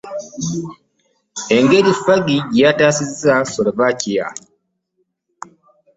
Engeri Fergie gyeyatasizza Solskjaer .